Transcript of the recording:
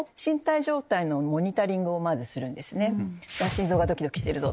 心臓がドキドキしてるぞ。